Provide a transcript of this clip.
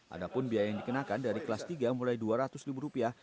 ada pun biaya yang dikenakan dari kelas tiga mulai dua ratus ribu rupiah